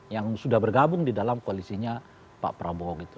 yang sudah bergabung di dalam koalisinya pak prabowo gitu